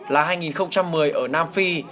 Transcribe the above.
là hai nghìn một mươi ở nam phi